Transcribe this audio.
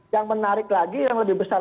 yang menarik lagi yang lebih besar